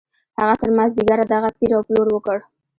هغه تر مازديګره دغه پېر او پلور وکړ.